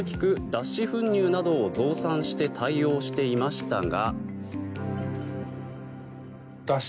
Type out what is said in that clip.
脱脂粉乳などを増産して対応していましたが。